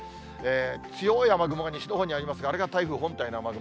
強い雨雲が西のほうにありますが、あれが台風本体の雨雲。